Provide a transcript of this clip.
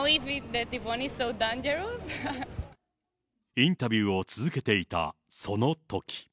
インタビューを続けていたそのとき。